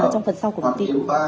trong phần sau của phần tin